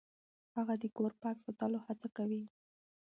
هغه د کور پاک ساتلو هڅه کوي.